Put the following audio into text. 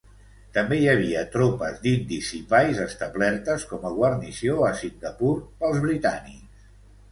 També hi havia tropes d'indis sipais establertes com a guarnició a Singapur pels britànics.